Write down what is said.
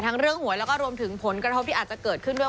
เรื่องหวยแล้วก็รวมถึงผลกระทบที่อาจจะเกิดขึ้นด้วย